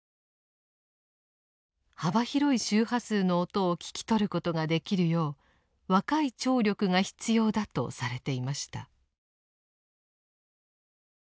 幅広い周波数の音を聞き取ることができるよう若い聴力が必要だとされていました。